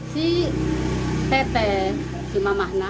si tete si mamah